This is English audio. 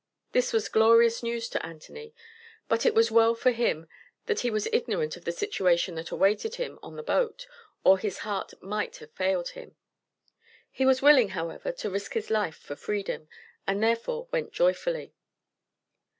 This was glorious news to Anthony; but it was well for him that he was ignorant of the situation that awaited him on the boat, or his heart might have failed him. He was willing, however, to risk his life for freedom, and, therefore, went joyfully.